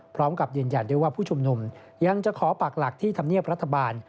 พร้อมกับยืนยันด้วยว่าผู้ชุมนุมยังจะขอปากหลักที่ธรรมเนียบรัฐบาล